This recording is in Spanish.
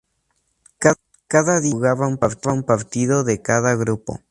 Cada día se jugaba un partido de cada grupo.